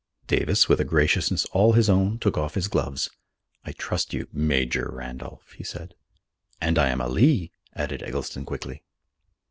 Davis, with a graciousness all his own, took off his gloves. "I trust you, Major Randolph," he said. "And I am a Lee," added Eggleston quickly.